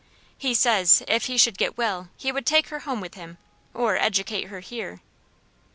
He says if he should get well he would take her home with him, or educate her here.